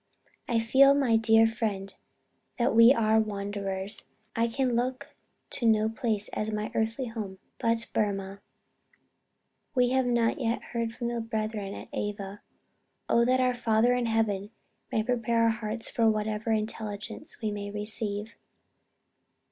I feel, my dear friend, that we are wanderers. I can look to no place as my earthly home, but Burmah.... We have not yet heard from the brethren at Ava. Oh that our Father in Heaven may prepare our hearts for whatever intelligence we may receive.